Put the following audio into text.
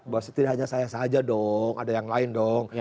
bahwa tidak hanya saya saja dong ada yang lain dong